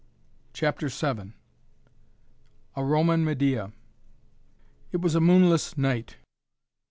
CHAPTER VII A ROMAN MEDEA It was a moonless night.